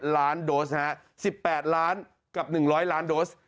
ล้านโดส๑๘ล้านกับ๑๐๐ล้านโดส